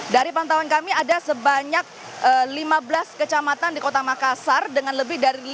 dari pantauan kami ada sebanyak lima belas kecamatan di kota makassar dengan lebih dari lima ratus